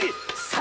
３